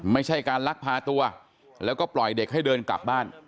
ไม่ใช่การลักพาตัวแล้วก็ปล่อยเด็กให้เดินกลับบ้าน